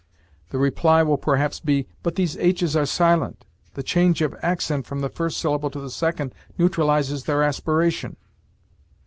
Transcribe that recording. The reply will perhaps be, "But these h's are silent; the change of accent from the first syllable to the second neutralizes their aspiration."